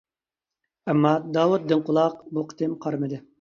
ئەمما، داۋۇت دىڭ قۇلاق بۇ قېتىم قارىمىدى.